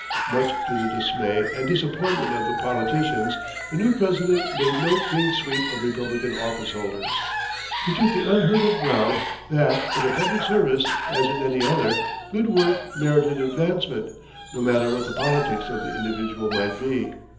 Much to the dismay and disappointment of the politicians, the new President made no clean sweep of Republican officeholders. He took the unheard of ground that, in the public service, as in any other, good work merited advancement, no matter what the politics of the individual might be.